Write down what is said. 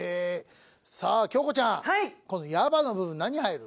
さあ京子ちゃん「ヤバ」の部分何入る？